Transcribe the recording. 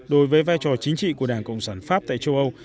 đối với vai trò chính trị của đảng cộng sản pháp tại châu âu